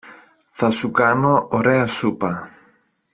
Θα σου κάνω ωραία σούπα.